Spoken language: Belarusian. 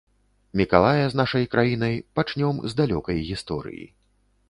Мікалая з нашай краінай пачнём з далёкай гісторыі.